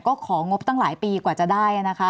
ก็ของงบตั้งหลายปีกว่าจะได้นะคะ